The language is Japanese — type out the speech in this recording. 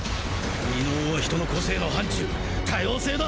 異能は人の個性の範疇多様性だ！